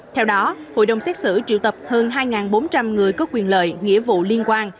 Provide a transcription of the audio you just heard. theo đó hội đồng xét xử triệu tập hơn hai bốn trăm linh người có quyền lợi nghĩa vụ liên quan